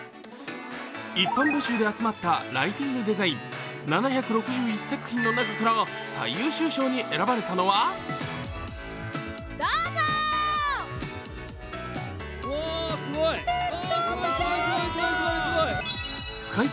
一般募集で集まったライティングデザイン、７６１作品の中から最優秀賞に選ばれたのはうわ、すごい、すごい。